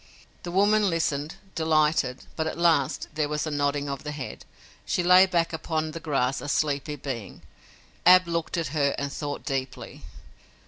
The woman listened, delighted, but, at last, there was a nodding of the head. She lay back upon the grass a sleepy being. Ab looked at her and thought deeply.